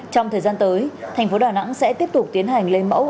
trong thời gian tới tp đà nẵng sẽ tiếp tục tiến hành lấy mẫu